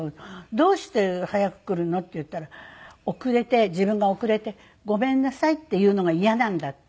「どうして早く来るの？」って言ったら遅れて自分が遅れて「ごめんなさい」って言うのが嫌なんだって。